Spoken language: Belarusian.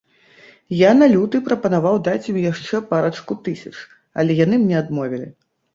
Я на люты прапанаваў даць ім яшчэ парачку тысяч, але яны мне адмовілі.